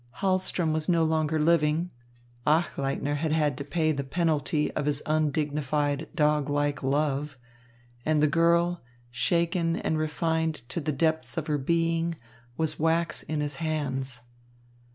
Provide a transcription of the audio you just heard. Hahlström was no longer living, Achleitner had had to pay the penalty of his undignified, dog like love, and the girl, shaken and refined to the depths of her being, was wax in his hands.